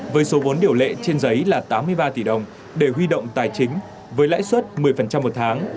với số vốn điều lệ trên giấy là tám mươi ba tỷ đồng để huy động tài chính với lãi suất một mươi một tháng